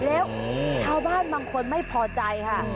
แล้วชาวบ้านบางคนไม่พอใจค่ะ